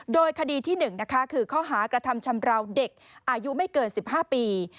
โดยคดีที่๑นะคะคือข้อหากระทำชำราวเด็กอายุไม่เกิน๑๕ปี